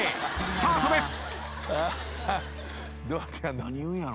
スタートです。